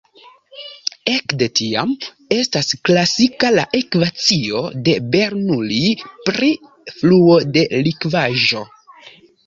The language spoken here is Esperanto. Ekde tiam estas klasika la ekvacio de Bernoulli pri fluo de likvaĵo.